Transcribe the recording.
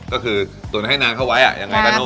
ก็คือตุ๋นให้นานเข้าไว้ยังไงกันเนอะ